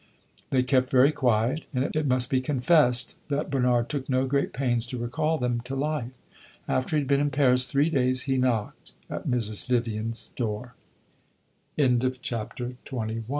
They kept very quiet, and it must be confessed that Bernard took no great pains to recall them to life. After he had been in Paris three days, he knocked at Mrs. Vivian's door. CHAPTER XXII It was open